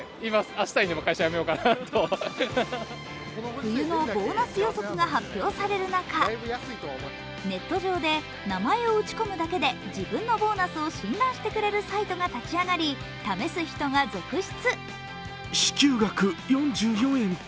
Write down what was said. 冬のボーナス予測が発表される中、ネット上で、名前を打ち込むだけで自分のボーナスを診断してくれるサイトが立ち上がり試す人が続出。